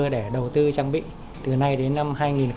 để đầu tư trang bị từ nay đến năm hai nghìn hai mươi